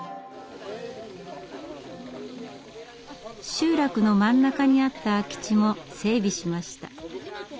集落の真ん中にあった空き地も整備しました。